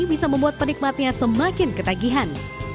bisa membuat penikmatnya semakin ketagihan